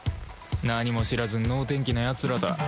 何も知らずに能天気なやつらだ